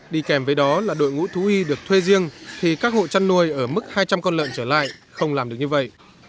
đi kèm với đó là đội ngũ thú y được thuê riêng thì các hộ chăn nuôi ở mức hai trăm linh con lợn trở lại không làm được như vậy